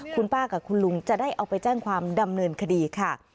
คุณป้ากับคุณลุงจะได้เอาไปแจ้งความดำเนินคดีค่ะ